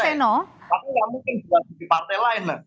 tapi yang mungkin juga di partai lain